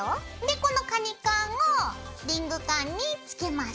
このカニカンをリングカンにつけます。